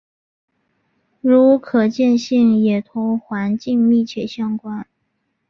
如可见性也同环境密切相关。